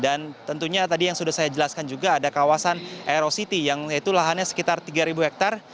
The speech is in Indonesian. dan tentunya tadi yang sudah saya jelaskan juga ada kawasan aero city yang itu lahannya sekitar tiga hektare